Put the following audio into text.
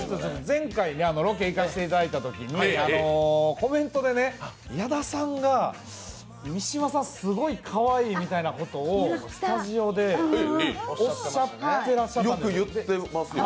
前回、ロケに行かせていただいたときに、コメントで矢田さんが「三島さん、すごいかわいい」みたいなことをスタジオでおっしゃってらっしゃったんですよ。